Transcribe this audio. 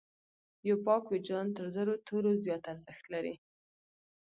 یو پاک وجدان تر زرو تورو زیات ارزښت لري.